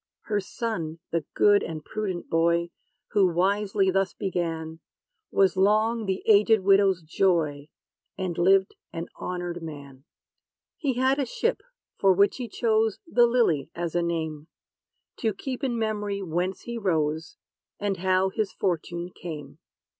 Her son, the good and prudent boy, Who wisely thus began, Was long the aged widow's joy; And lived an honored man. He had a ship, for which he chose "The LILY" as a name, To keep in memory whence he rose, And how his fortune came.'